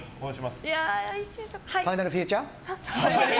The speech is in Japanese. ファイナルフューチャー？